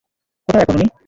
কোথায় এখন উনি?